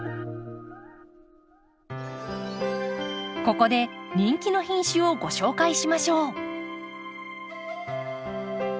ここで人気の品種をご紹介しましょう。